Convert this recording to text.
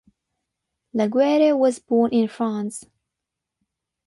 Laguerre was born in France.